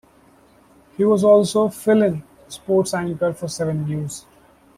He was also 'fill-in' sports anchor for Seven News.